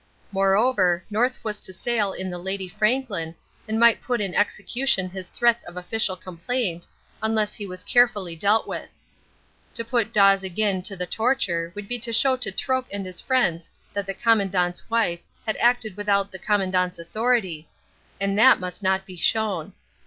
Moreover, North was to sail in the Lady Franklin, and might put in execution his threats of official complaint, unless he was carefully dealt with. To put Dawes again to the torture would be to show to Troke and his friends that the "Commandant's wife" had acted without the "Commandant's authority", and that must not be shown.